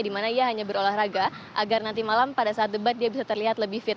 di mana ia hanya berolahraga agar nanti malam pada saat debat dia bisa terlihat lebih fit